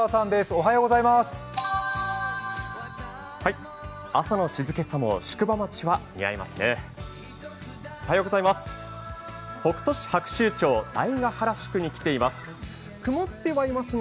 おはようございます。